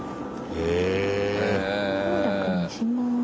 へえ。